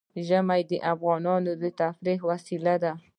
ژمی د افغانانو د تفریح یوه وسیله ده.